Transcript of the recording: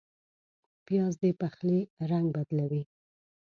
پیاز د پخلي رنګ بدلوي